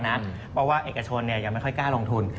เพราะว่าเอกชนยังไม่ค่อยกล้าลงทุน